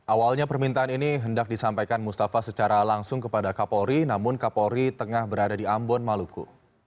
awalnya permintaan ini hendak disampaikan mustafa secara langsung kepada kapolri namun kapolri tengah berada di ambon maluku